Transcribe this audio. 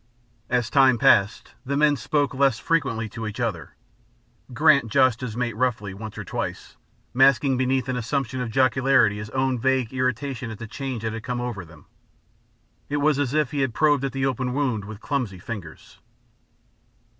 As time passed the men spoke less frequently to each other. Grant joshed his mate roughly, once or twice, masking beneath an assumption of jocularity his own vague irritation at the change that had come over them. It was as if he had probed at an open wound with clumsy fingers.